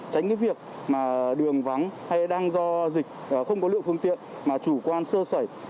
tránh việc đường vắng hay do dịch không có lượng phương tiện mà chủ quan sơ sẩy